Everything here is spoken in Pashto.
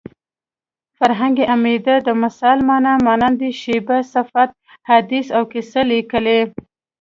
فرهنګ عمید د مثل مانا مانند شبیه صفت حدیث او قصه لیکلې